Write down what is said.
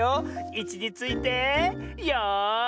いちについてよい。